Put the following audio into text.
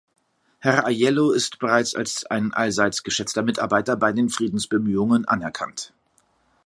Herr Ajello ist bereits als ein allseits geschätzter Mitarbeiter bei den Friedensbemühungen anerkannt.